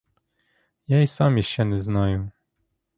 Я й сам іще не знаю.